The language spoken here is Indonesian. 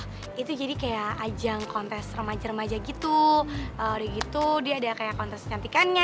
hai itu jadi kayak ajang kontes remaja gitu udah gitu dia ada kayak kontes cantikannya